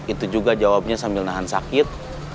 itu juga jawabnya sambil nahan sakit